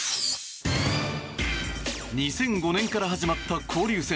２００５年から始まった交流戦。